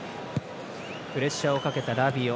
プレッシャーをかけたラビオ。